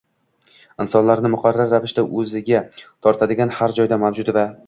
insonlarni muqarrar ravishda o‘ziga tortadigan, har joyda mavjud va